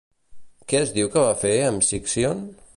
Què es diu que va fer Amficcíon?